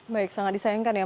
baik sangat disayangkan ya